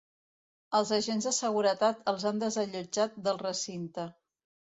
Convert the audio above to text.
Els agents de seguretat els han desallotjat del recinte.